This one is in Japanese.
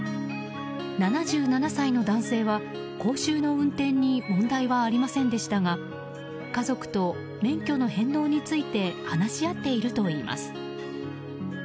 ７７歳の男性は、講習の運転に問題はありませんでしたが家族と免許の返納について話し合っているといいます。